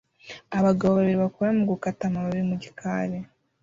Abagabo babiri bakora mugukata amababi mu gikari